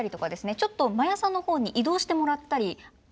ちょっと真矢さんの方に移動してもらったり。